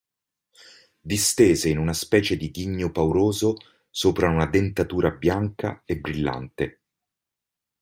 Distese in una specie di ghigno pauroso sopra una dentatura bianca e brillante.